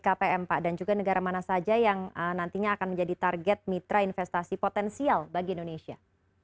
kpm pak dan juga negara mana saja yang nantinya akan menjadi target mitra investasi potensial bagi indonesia